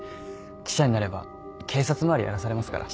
記者になれば警察回りやらされますから。